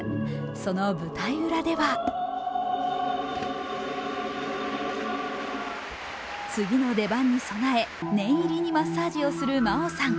その舞台裏では次の出番に備え念入りにマッサージをする真央さん。